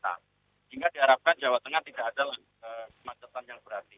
sehingga diharapkan jawa tengah tidak ada kemacetan yang berarti